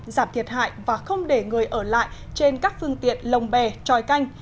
giảm thiệt hại và không để người ở lại trên các phương tiện lồng bè tròi canh